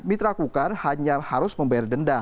mitra kukar hanya harus membayar denda